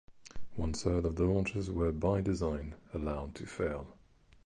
One third of the launches were by design allowed to fail.